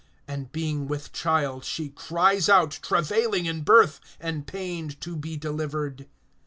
(2)And being with child she cries out, travailing in birth, and pained to be delivered.